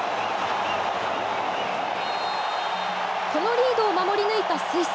このリードを守り抜いたスイス。